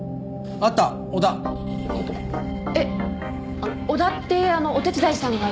えっ小田ってあのお手伝いさんが言ってた？